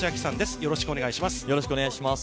◆よろしくお願いします。